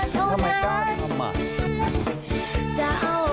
จะอยากให้เธอไม่รักใจ